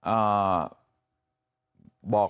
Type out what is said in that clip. อ่าบอก